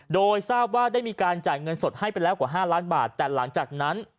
โดยทราบว่าได้มีการจ่ายเงินสดให้ไปแล้วกว่า๕ล้านบาทแต่หลังจากนั้น